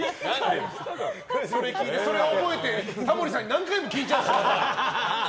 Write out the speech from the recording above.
それ聞いてそれ覚えてタモリさんに何回も聞いちゃうんだから。